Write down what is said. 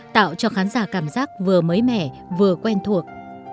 tạo cho khán giả cảm giác vừa mới mẻ vừa quen thuộc